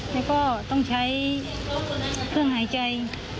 แล้วก็ต้องใช้เครื่องหายใจ